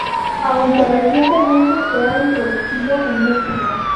Aunque recientemente se ha introducido en Mexico.